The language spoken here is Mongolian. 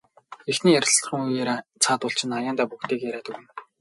Эхний ярилцлагын үеэр цаадуул чинь аяндаа бүгдийг яриад өгнө.